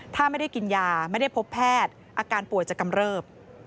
ถ้าไม่ได้กินยาไม่ได้พบแพทย์อาการป่วยจะกำเริบ